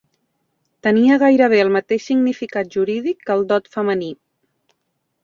Tenia gairebé el mateix significat jurídic que el dot femení.